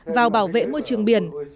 vào bảo vệ môi trường biển